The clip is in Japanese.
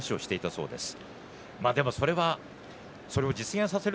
そうですね。